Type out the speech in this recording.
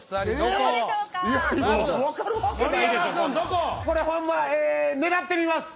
これホンマえ狙ってみます